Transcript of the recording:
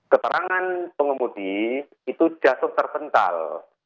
keterangan pengemudi itu jatuh terpental